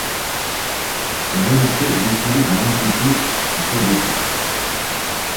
Orain arte bi sari garrantzitsu jaso ditu.